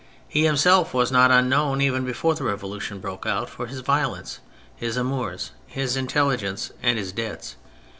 He himself was not unknown even before the Revolution broke out, for his violence, his amours, his intelligence and his debts.